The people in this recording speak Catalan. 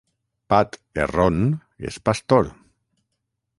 Pat Herron és pastor.